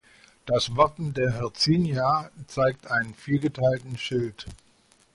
Das Wappen der Hercynia zeigt einen viergeteilten Schild.